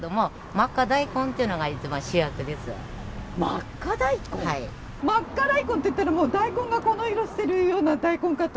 まっか大根っていったら大根がこの色してるような大根かと。